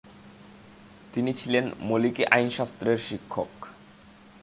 তিনি ছিলেন মলিকি আইনশাস্ত্রের শিক্ষক।